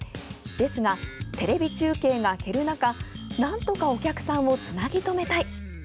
ですが、テレビ中継が減る中なんとかお客さんをつなぎ止めたい。